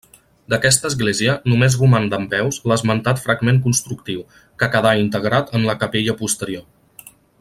D'aquesta església només roman dempeus l'esmentat fragment constructiu, que quedà integrat en la capella posterior.